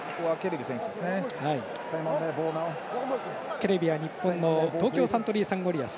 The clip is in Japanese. ケレビは日本の東京サントリーサンゴリアス